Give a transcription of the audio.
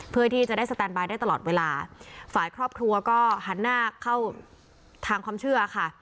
เพื่อที่จะได้สแตนบายได้ตลอดเวลาฝ่ายครอบครัวก็หันหน้าเข้าทางความเชื่อค่ะ